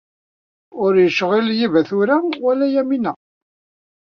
Ur yecɣil Yuba tura, wala Yamina.